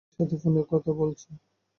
স্ত্রীর সাথে ফোনে কথা বলছে।